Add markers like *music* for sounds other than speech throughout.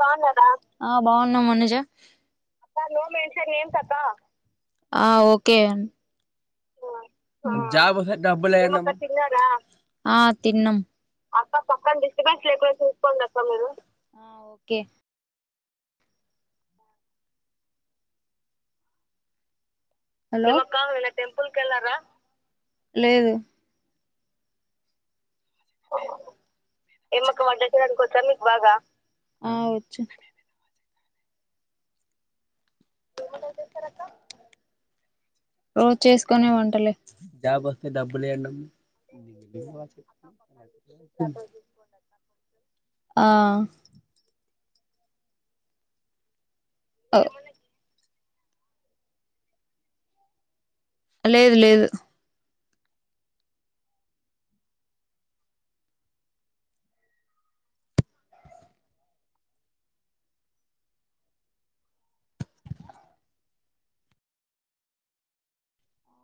బాన్నారా ఆ బాన్న మనుజ ఆ ఓకే జాబ్ వస్తే డబ్బులు ఎయ్యాలా ఏమక్క తిన్నారా ఆ తిన్నాం. అక్క పక్కన డిస్టబెన్స్ లేకుండా చూసుకోండి అక్క మీరు అ ఓకే హలో ఏమక్క ఏవన్నా టెంపుల్ కి వెళ్ళారా లేదు ఎమక్క వంట చేయడానికి వచ్చా మీకు బాగా అ వచ్చు. రోజు చేసుకునే వంటలే జాబ్ వస్తే డబ్బులేందో *unintelligible* ఆ ఔ లేదు లేదు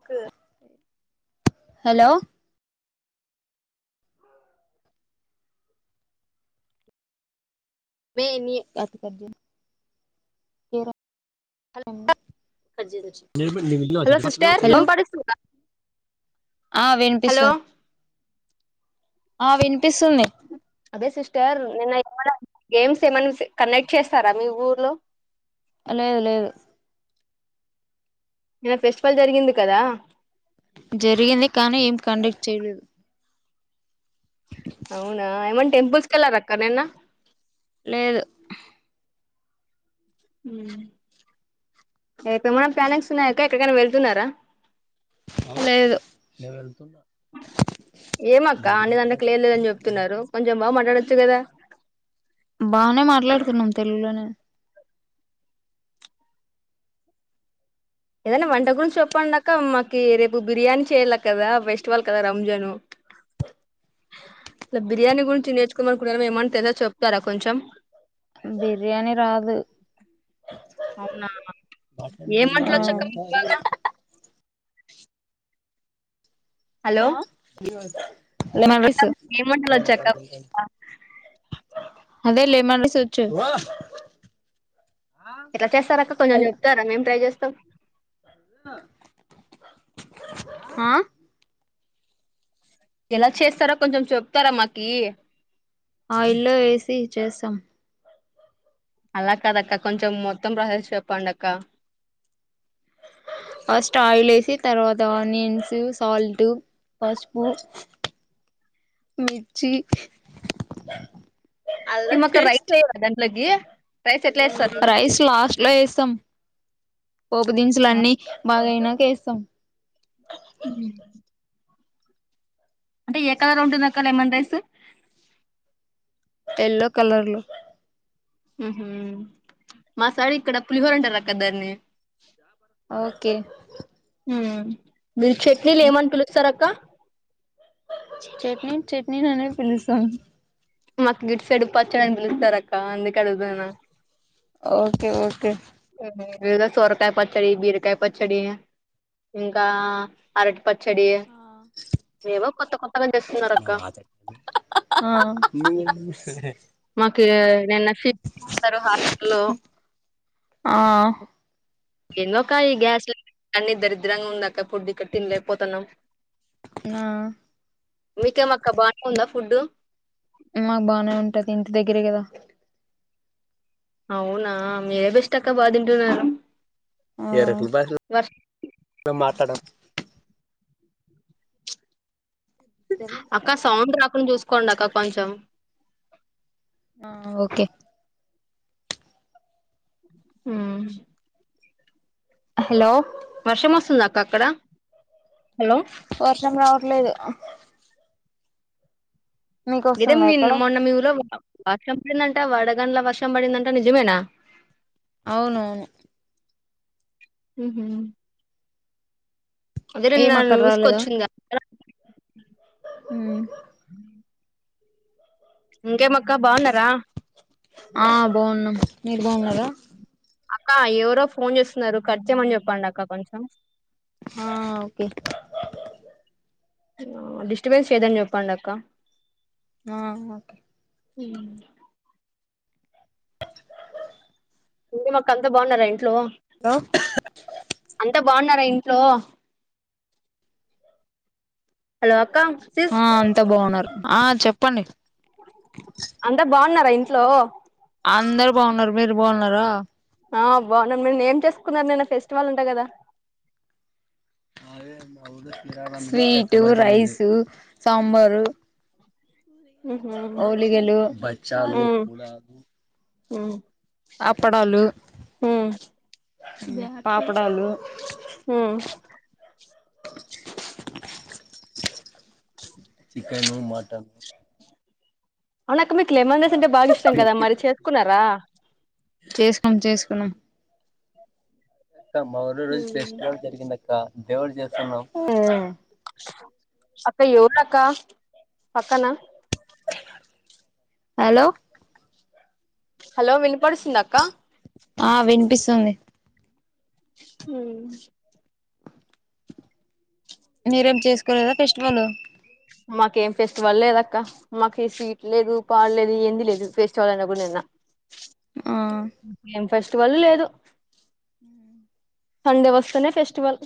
క హలో మె ని కత కదు ఏర హలో హలో సిస్టర్ హలో వినపడిస్తుందా ఆ హలో వినిపిస్తంది ఆ వినిపిస్తుంది అదే సిస్టర్ నిన్న ఏమన్నా గేమ్స్ ఏమన్నా కండక్ట్ చేస్తారా మీ ఊర్లో లేదు లేదు ఈడ ఫెస్టివల్ జరిగింది కదా జరిగింది కానీ ఏం కండక్ట్ చేయలేదు. అవునా ఏమన్న టెంపుల్స్ కెల్లారా అక్క నిన్న లేదు రేపు ఏమన్నా ప్లానింగ్స్ ఉన్నాయక్క ఎక్కడికైనా వెళ్తున్నారా? లేదు ఏమక్క అన్ని దాంట్లకి లేర్లేదని చెప్తున్నారు కొంచెం బాగా మాట్లాడచ్చు కదా. బానే మాట్లాడుకున్నాం తెలుగులోనే ఏదన్నా వంట గురించి చెప్పడంక మాకి రేపు బిర్యానీ చేయలా కదా, ఫెస్టివల్ కదా రంజాను. ఇలా బిర్యానీ గురించి నేర్చుకోమనుకుంటన్నార ఏమన్నా తెద చెప్తారా కొంచెం బిర్యానీ రాదు. అవునా ఏం ఆ వంటలు వచ్చక్క మీకు బాగా హలో ఆ అక్క నిమనసు ఏం వంటలొచ్చక్క అదే లే మర్ర సొచ్చు ఎట్ల చేస్తారక్క కొంచెం చెప్తారా మేం ట్రై చేస్తాం ఆ ఎలా చేస్తారో కొంచెం చెప్తారా మాకీ ఆయిల్లో ఏసి చేసాం అలా కాదక్క కొంచెం మొత్తం ప్రాసెస్ చెప్పండక్క ఫస్ట్ ఆయిల్ ఏసి తర్వాత ఆనియన్స్ సాల్ట్ పసుపు మిర్చి అల్లం నిమ్ అక్క పేస్ట్ రైక్స ఎయవా దాంట్లకీ రైస్ లాస్ట్ లొ ఏస్తం పోపు దినుసుల్ అన్నీ బాగాయినాక ఏస్తాం మ్ అంటె ఏ కలర్ ఉంటుందక్క లెమెన్ రైస్ ఎల్లో కలర్లొ మ్ హ్ మాసైడ్ ఇక్కడ పులిహోరంటార్ అక్క దాన్ని ఓకే మీర్ చట్నీల్ ఏమని పిలుస్తార్అక్క చట్నీ చట్నీ ననే పిలుస్తాం మాక్ గిట్ సైడడ పచ్చడ అని పిలుస్తార్ అక్క అందుకె అడుదనా ఓకే ఓకే వగా సోరకాయ పచ్చడి బీరకాయ పచ్చడీ ఇంకా అరట్ పచ్చడి ఏవో కొత్త కొత్తగానిపిస్తున్నార్ అక్క ఆ మాకిగా నిన్న ఫిట్ *unintelligible* హాస్పటల్ లో ఆ ఏందో అక్క ఈ గ్యాస్ అన్ని దరిద్రంగ ఉందక్క్ ఫుడ్ ఇక్కడ్ తిన్లేక్పోతన్నం ఆ మీకేం అక్క బానే ఉందా ఫుడ్ మాక్ బానే ఉంటది ఇంటి దగ్గరే గదా అవునా మీరే బెస్ట్ అక్క బా తింటున్నారు వర్ష ఆ అక్క సౌండ్ రాకుండా చూసుకోండి అక్క కొంచెం ఆహ్ ఓకె మ్ హలో వర్షం ఒస్సుందా అక్క అక్కడ హలో వర్షం రావట్లేదు మీకు ఇదే వస్తుందా మీన్ ఇక్కడ మొన్న మీవూర్లో వర్షం పడిందంట వడగండ్ల వర్షం బడిందంట నిజమేనా ఔనూ మ్ హ్ అదె నిన్న ఏం అక్కడ న్యూస్కోచింద్గా మ్ ఇంకేమక్క బాగున్నరా ఆహ్ బాగున్నాం మీరు బాగున్నారా అక్క ఎవరో ఫోన్ చేస్తున్నారు కట్ చేయ్మని చెప్పండి అక్క కొంచెం ఆ ఓకె డిస్టబెన్స్ చేయొద్దని చెప్పండక్క ఆహ్ ఓకే ఊ మ్ ఇంకేమక్క అంత బాగున్నారా ఇంట్లో హలో అంత బాగున్నారా ఇం ట్లో హలో సిస్ ఆ అంతా బాగున్నారు ఆ చెప్పండి అంతా బాగున్నారా ఇంట్లో అందరు బాగున్నారు మీరు బాగున్నారా ఆ బాగున్నానమండి ఏం చేసుకున్నారు నిన్న ఫెస్టివల్ అంటకదా స్వీటు రైసు సాంబార్ ఊ మ్ ఊ మ్ ఊ మ్ అప్పడాలు మ్ పా మ్ చికెను మటన్ అవునక్క మీకు లెమన్ రైస్ అంటే బాగా ఇష్టం కదా మరి చేసుకున్నారా చేసికం చేసుకున్నాం అక్క మా ఊర్లో ఈరోజు ఉమ్ ఫెస్టివల్ జరిగిందక్క దేవున్నీ చేసుకున్నాం అక్క ఎవరక్క పక్కనా హలో హలో వినపడుసిందక్క ఆ వినిపిస్తుంది ఊ మ్ మీరేం చేసుకోలేదా ఫెస్టివల్ మాకేం ఫెస్టివల్ లేదక్క మాకు స్వీట్ లేదు పాడులేదు ఏం లేదు ఫెస్టివల్ అయిన కూడా నిన్న ఆ ఏం ఫెస్టివల్ లేదు సండే వస్తెనే ఫెస్టివల్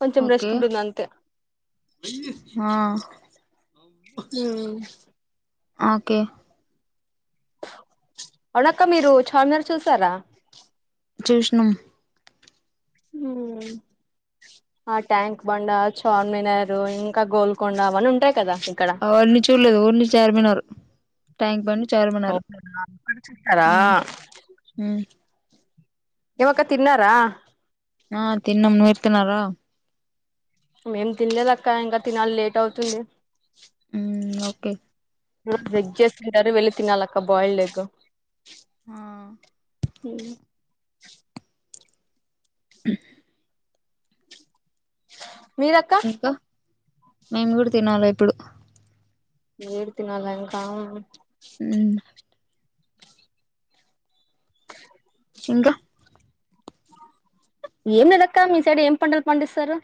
కొంచెం రెస్ట్ ఓకే ఉంటుంది అంతే ఆ ఊ మ్ ఓకే అవునక్క మీరు చాలన్నర చూసారా చూష్ణం ఊ మ్ ఆ ట్యాంక్ బండ చార్మినారు ఇంకా గోల్కొండ అవన్న ఉంటా అవన్నీ చూడలేదు ఓన్లీ చార్మినారు ట్యాంక్ బండ్ చార్మినార్ అవునా చూసారా మ్ మ్ ఏమక్క తిన్నారా ఆ తిన్నం మీరు తిన్నారా మేం తినలేదక్క ఇంకా తినాలి లేట్ అవుతుంది మ్ ఓకే ఈరోజు ఎగ్ చేస్తుంటారు వెల్లి తినాలక్క బాయిల్డ్ ఎగ్ ఆ మీరక్క ఇంకా మేము కూడా తినాలి ఇప్పుడు మీరు తినాలా ఇంకా మో ఇంకా ఏం లేదక్క మీ సైడ్ ఏం పంటలు పండిస్తారు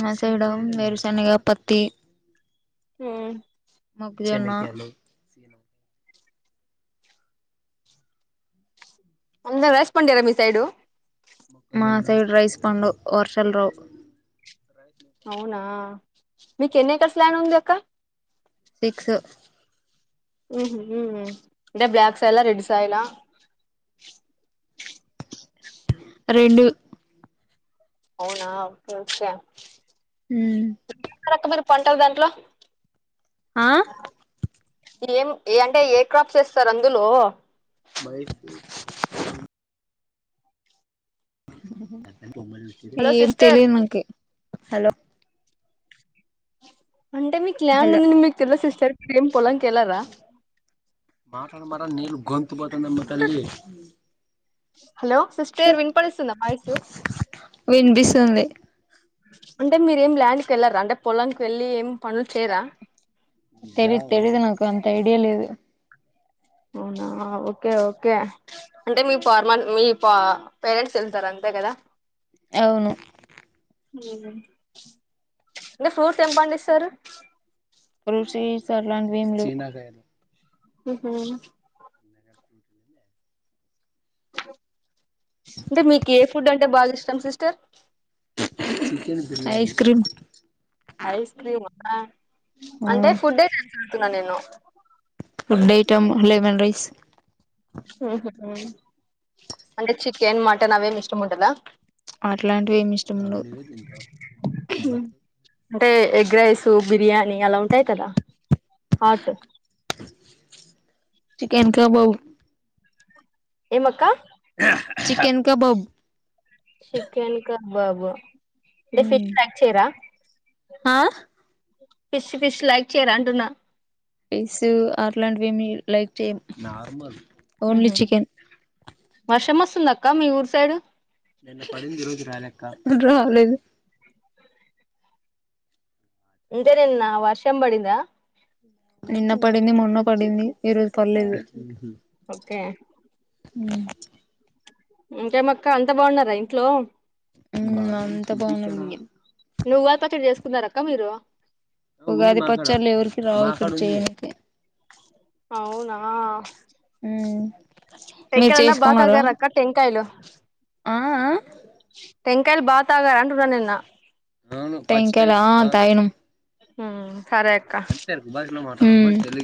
మా సైడ్ వేరుసనగా పత్తి మ్ మొక్కజొన్న అందా రైస్ పండియరా మీ సైడు మా సైడ్ రైస్ పండవు వర్షల్ రావు అవునా మీకు ఎన్ని ఎకర్స్ ల్యాండ్ ఉంది అక్క సిక్స్ ఉహు ఉ ఉ అంటే బ్లాక్ సాయలా రెడ్ సాయలా రెండు అవునా కొంచ తరకు మీరు పంటలు దాంట్లో ఆ ఏం ఏ అంటే ఏర్ క్రాప్స్ ఏస్తారు అందులో బయటికి హలో ఏం సిస్టర్ తెలిన్ నోనుకి హలో అంటే మీకు ల్యాండ్ హలో ఉంది మీకు తెల్ సిస్టర్ మీరు ఏం పొలాం కి వెళ్ళరా మాటన్ మాడ నీళ్లు గొంతు బోతన్దన్ అమ్మ తల్లి హలో సిస్టర్ విన్పడిస్తుందా వాయిస్ వినిపిస్తుంది అంటే మీరు ఏం ల్యాండ్ కు వెళ్లార అంటే పొలానికి వెళ్ళి ఏం పనులు చేయరా తో అంత ఐడియా లేదు అవునా ఓకే ఓకే అంటే మీ ఫార్మన్ మీ పా పేరెంట్స్ వెళ్తారు అంతే తా కదా అవును ఉ ఇంగా ఫ్రూట్స్ ఏం పండిస్తారు కొన్ని సీడ్స్ అట్లాంటివి ఏం లేవు ఆహ అంటే మీకు ఏ ఫుడ్ అంటే బాగా ఇష్టం sister ice cream ice cream అక్క ఆ అంటే ఫుడ్ ఐటమ్స్ అవుతున్నా నేను ఫుడ్ ఐటమ్ లెమన్ రైస్ అంటే చికెన్ మటన్ అవి ఏం ఇష్టం ఉంటదా అట్లాంటివి ఏమి ఇష్టం ఉండవు అంటే ఎగ్ రైస్ బిర్యానీ అలా ఉంటాయి కదా హాట్ చికెన్ కబాబ్ ఏం అక్క చికెన్ కబాబ్ చికెన్ కబాబు అంటే ఫిష్ ప్యాక్ చేయరా ఆ ఫిష్ ఫిష్ లైక్ చేయర అంటున్నా ఇస్ అట్లాంటివి ఏమి లైక్ చేయం ఓన్లీ ఉహు చికెన్ వర్షం వస్తుందా అక్క మీ ఊరు సైడ్ నిన్న పడింది ఈ రోజు రాలె అక్క రాలేదు ఇంటి రిందా వర్షం పడిందా నిన్న పడింది మొన్న పడింది ఈరోజు పర్లేదు ఓకే ఉ ఇంకేం అక్క అంతా బాగున్నారా ఇంట్లో ఉమ్ అంత బాగున్నది నువ్వు ఉగాది పచ్చడి చేసుకున్నార అక్క మీరు ఉగాది పచ్చళ్ళు ఎవరికీ రావు ఇక్కడ చేయానికి అవునా ఉమ్ మీరు టెంకాయలన్న బాగ చేసుకున్నారా తాగార అక్క టెంకాయలు ఆ ఆ టంకాయలు బాగ తాగార అంటున్నా నిన్న టెంకాయల తాగినం హ్మ్ సరే అక్క మ్మ్